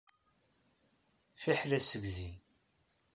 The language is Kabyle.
Fiḥel asegzi.